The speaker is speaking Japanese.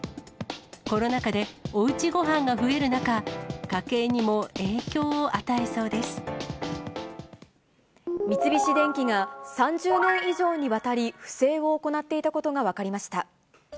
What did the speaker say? コロナ禍で、おうちごはんが増える中、三菱電機が３０年以上にわたり、不正を行っていたことが分かりました。